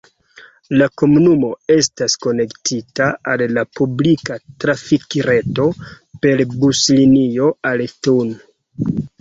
La komunumo estas konektita al la publika trafikreto per buslinio al Thun.